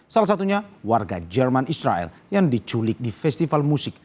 salah satunya warga jerman israel yang diculik di festival musik